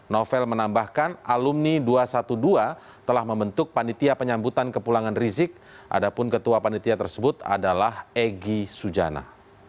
novel menambahkan alumni dua ratus dua belas telah membentuk panitia penyambutan kepulangan rizik adapun ketua panitia tersebut adalah egy sujana